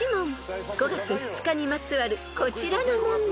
［５月２日にまつわるこちらの問題］